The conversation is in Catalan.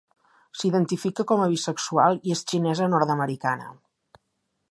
S'identifica com a bisexual i és xinesa nord-americana.